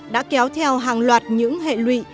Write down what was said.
đã kéo theo hàng loạt những hệ lụy